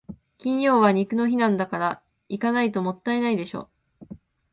金曜は肉の日なんだから、行かないともったいないでしょ。